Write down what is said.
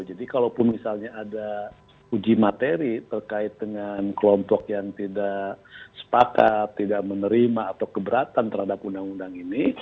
jadi kalau misalnya ada uji materi terkait dengan kelompok yang tidak sepakat tidak menerima atau keberatan terhadap undang undang ini